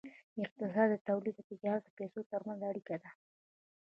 اقتصاد د تولید او تجارت او پیسو ترمنځ اړیکه ده.